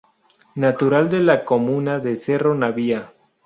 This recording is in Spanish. Natural de la comuna de Cerro Navia.